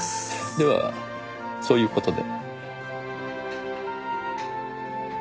ではそういう事で。